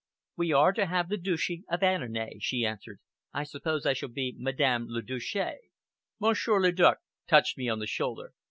"We are to have the Duchy of Annonay," she answered. "I suppose I shall be Madame la Duchesse." Monsieur le Duc touched me on the shoulder.